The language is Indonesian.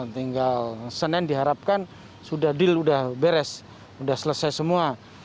tinggal senin diharapkan sudah deal sudah beres sudah selesai semua